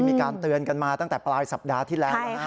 มีการเตือนกันมาตั้งแต่ปลายสัปดาห์ที่แล้ว